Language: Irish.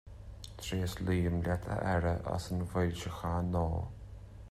Tréaslaím leat a Aire as an bhfoilseachán nua.